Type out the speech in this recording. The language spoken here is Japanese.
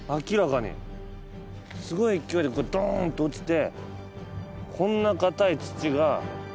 すごい勢いでドーンと落ちて。